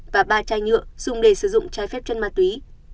và ba chai nhựa dùng để sử dụng trái phép chân ma túy